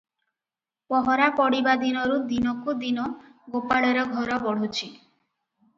ପହରା ପଡ଼ିବା ଦିନରୁ ଦିନକୁ ଦିନ ଗୋପାଳର ଘର ବଢ଼ୁଛି ।